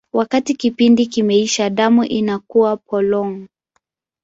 Wakati kipindi kimeisha, damu inakuwa polong.